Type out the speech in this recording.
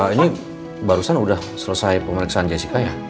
ini barusan sudah selesai pemeriksaan jessica ya